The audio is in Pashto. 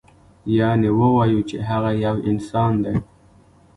یعنې ووایو چې هغه یو انسان دی.